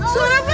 suara apa ini